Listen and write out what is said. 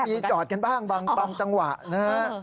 มีจอดกันบ้างบางจังหวะนะฮะ